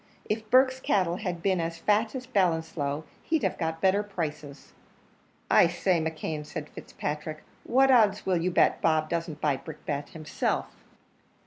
If Burke's cattle had been as fat at Ballinasloe, he'd have got better prices." "I say, McKeon," said Fitzpatrick, "what odds will you bet Bob doesn't buy Brickbat himself?"